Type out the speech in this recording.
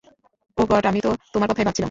ওহ god, আমি তো তোমার কথাই ভাবছিলাম।